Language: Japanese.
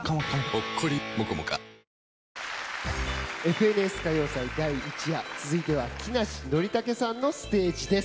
「ＦＮＳ歌謡祭第１夜」続いては木梨憲武さんのステージです。